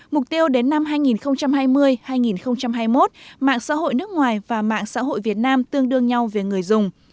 mục tiêu đến năm hai nghìn hai mươi hai nghìn hai mươi một mạng xã hội nước ngoài và mạng xã hội việt nam tương đương nhau về người dùng